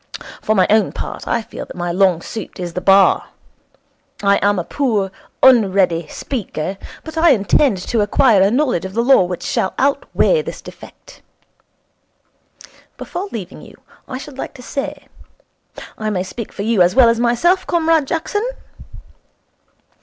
For my own part, I feel that my long suit is the Bar. I am a poor, unready speaker, but I intend to acquire a knowledge of the Law which shall outweigh this defect. Before leaving you, I should like to say I may speak for you as well as myself, Comrade Jackson